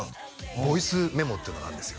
「ボイスメモっていうのがあるんですよ」